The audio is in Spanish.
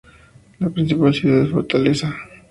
La principal ciudad es Fortaleza.